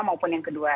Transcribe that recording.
maupun yang kedua